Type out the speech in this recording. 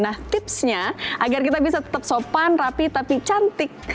nah tipsnya agar kita bisa tetap sopan rapi tapi cantik